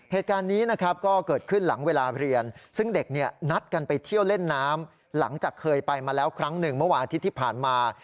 เหตุการณ์นี้นะครับก็เกิดขึ้นหลังเวลาเรียนซึ่งเด็กเนี่ยนัดกันไปเที่ยวเล่นน้ำหลังจากเคยไปมาแล้วครั้งหนึ่งเมื่อวานอาทิตย์ที่ผ่านมา